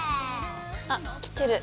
あっきてる。